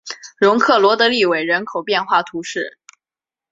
容克雷德利韦人口变化图示